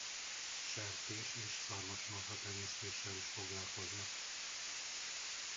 Sertés és szarvasmarha tenyésztéssel is foglalkoznak.